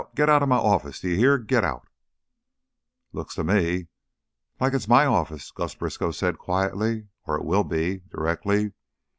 Get out of my office, d'you hear? Get out " "Looks to me like it's my office," Gus Briskow said, quietly, "or it will be, directly.